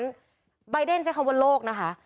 ใบเดนใช้คำว่าโลกนะคะ